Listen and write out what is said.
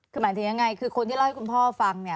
คือหมายถึงยังไงคือคนที่เล่าให้คุณพ่อฟังเนี่ย